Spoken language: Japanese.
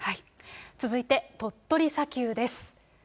続いて鳥取砂丘です。